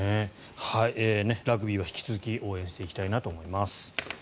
ラグビーは引き続き応援したいなと思います。